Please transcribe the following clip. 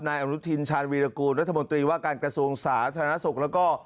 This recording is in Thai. อนุทินชาญวีรกูลรัฐมนตรีว่าการกระทรวงสาธารณสุขแล้วก็